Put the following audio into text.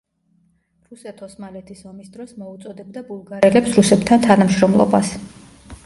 რუსეთ-ოსმალეთის ომის დროს მოუწოდებდა ბულგარელებს რუსებთან თანამშრომლობას.